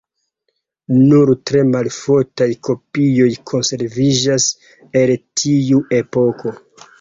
Nur tre maloftaj kopioj konserviĝas el tiu epoko.